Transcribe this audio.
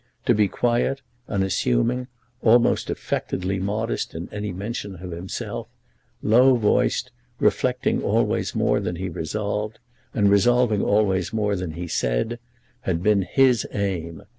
To be quiet, unassuming, almost affectedly modest in any mention of himself, low voiced, reflecting always more than he resolved, and resolving always more than he said, had been his aim.